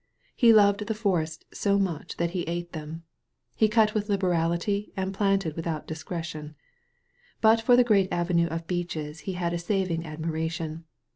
He loved the forests so much that he ate them. He cut with liberality and planted without discretion. But for the great avenue of beeches he had a saving admiration.